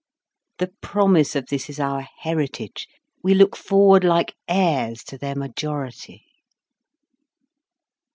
The promise of this is our heritage, we look forward like heirs to their majority.